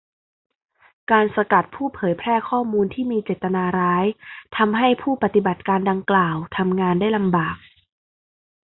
การสกัดผู้เผยแพร่ข้อมูลที่มีเจตนาร้าย ทำให้ผู้ปฏิบัติการดังกล่าวทำงานได้ลำบาก